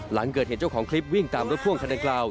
หลังเกิดเหตุเจ้าของคลิปวิ่งตามรถพ่วงคันดังกล่าว